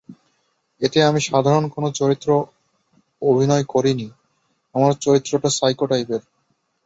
এতে আমি সাধারণ কোনো চরিত্রে অভিনয় করিনি, আমার চরিত্রটা সাইকো টাইপের।